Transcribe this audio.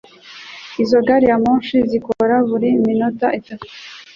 Izo gari ya moshi zikora buri minota itatu